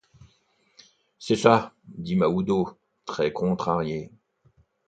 C'est ça, dit Mahoudeau, très contrarié.